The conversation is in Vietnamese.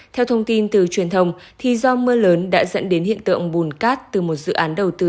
theo thông tin từ truyền thông thì do mưa lớn đã dẫn đến hiện tượng bùn cát từ một dự án đầu tư